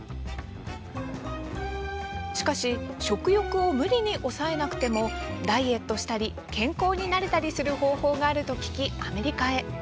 しかし食欲を無理に抑えなくてもダイエットしたり健康になれたりする方法があると聞き、アメリカへ。